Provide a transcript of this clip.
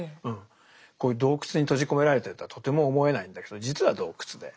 こういう洞窟に閉じ込められてるとはとても思えないんだけど実は洞窟で。